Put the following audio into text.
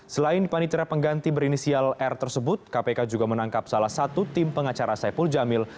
selain panitera pengganti berinisial r tersebut kpk juga menangkap salah satu tim pengacara saipul jamil